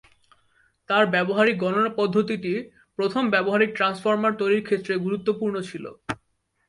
তাঁর ব্যবহারিক গণনা পদ্ধতিটি প্রথম ব্যবহারিক ট্রান্সফর্মার তৈরির ক্ষেত্রে গুরুত্বপূর্ণ ছিল।